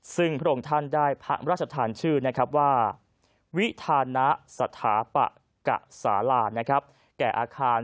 ซึ่งพระองค์ท่านได้พระราชธรรมชื่อว่าวิธานสถาปกษาราชแก่อาคาร